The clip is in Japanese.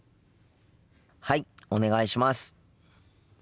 はいお願いします。